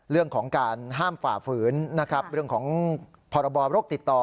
เรื่องของการห้ามฝ่าฝืนนะครับเรื่องของพรบโรคติดต่อ